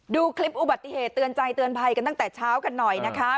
ดูคลิปอุบัติเหตุเตือนใจเตือนภัยกันตั้งแต่เช้ากันหน่อยนะคะ